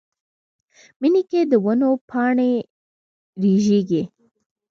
مني کې د ونو پاڼې رژېږي